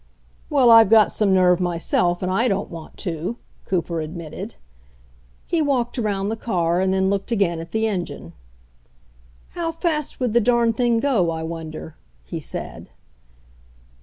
"Well, I've got some nerve myself, and I don't want to," Cooper admitted. He walked around the car and then looked again at the engine. "How fast would the darn thing go, I wonder?" he said.